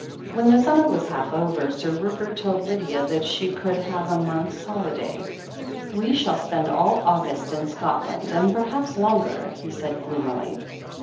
When the summer was half over, Sir Rupert told Lydia that she could have a month's holiday. "We shall spend all August in Scotland, and perhaps longer," he said gloomily.